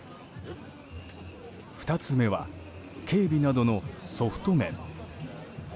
２つ目は警備などのソフト面。